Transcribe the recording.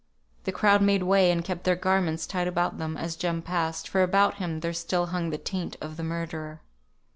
The crowd made way, and kept their garments tight about them, as Jem passed, for about him there still hung the taint of the murderer.